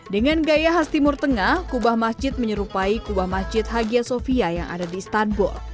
dengan gaya khas timur tengah kubah masjid menyerupai kubah masjid hagia sofia yang ada di istanbul